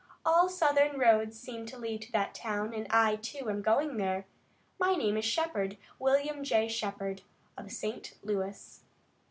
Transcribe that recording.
All southern roads seem to lead to that town, and I, too, am going there. My name is Shepard, William J. Shepard, of St. Louis."